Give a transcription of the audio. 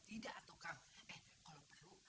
ini dia uangnya